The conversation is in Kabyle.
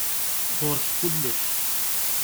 Ɣur-k kullec.